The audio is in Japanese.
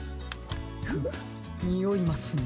フムにおいますね。